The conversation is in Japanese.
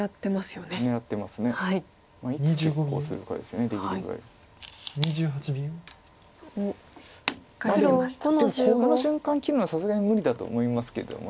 でもこの瞬間切るのはさすがに無理だと思いますけども。